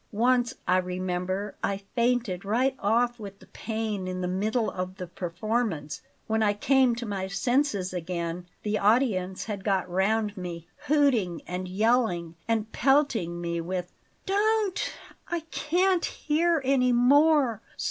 Once, I remember, I fainted right off with the pain in the middle of the performance When I came to my senses again, the audience had got round me hooting and yelling and pelting me with " "Don't! I can't hear any more!